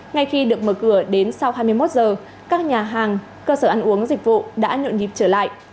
ngay khi được mở cửa đến sau hai mươi một giờ các nhà hàng cơ sở ăn uống dịch vụ đã nhộn nhịp trở lại